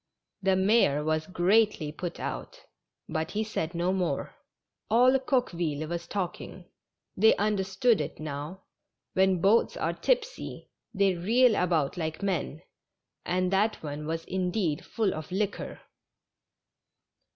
The mayor was greatly put out, but he said no more. All Coqueville was talking; they understood it now. When boats are tipsy they reel about like men, and that one was, indeed, full of liquor.